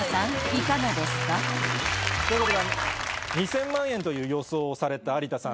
いかがですか？ということで２０００万円という予想をされた有田さん。